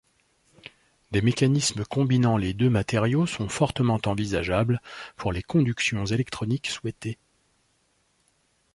Des mécanismes combinant les deux matériaux sont fortement envisageables pour les conductions électroniques souhaitées.